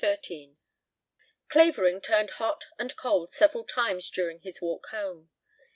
XIII Clavering turned hot and cold several times during his walk home.